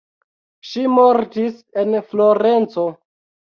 Ŝi mortis en Florenco.